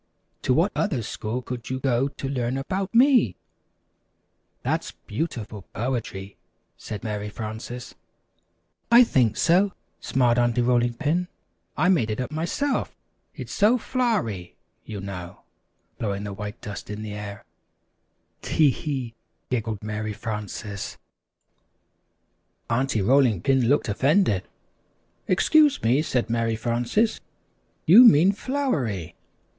"To what other school could you go to learn about me?" "That's beautiful poetry," said Mary Frances. "I think so," smiled Aunty Rolling Pin; "I made it up myself. It's so floury, you know," blowing the white dust in the air. [Illustration: "Tee hee," giggled Mary Frances.] "Tee hee," giggled Mary Frances. Aunty Rolling Pin looked offended. "Excuse me," said Mary Frances, "you mean 'flowery.'"